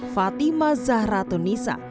fatima zahra tunisa